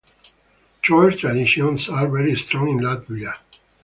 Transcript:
Choir traditions are very strong in Latvia.